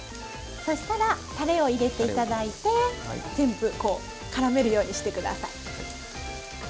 そしたらたれを入れて頂いて全部こうからめるようにして下さい。